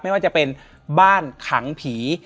ไม่ว่าจะเป็นบ้านขังผี